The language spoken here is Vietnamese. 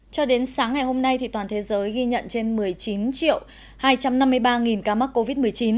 cho đến sáng ngày hôm nay toàn thế giới ghi nhận trên một mươi chín triệu hai trăm năm mươi ba ca mắc covid một mươi chín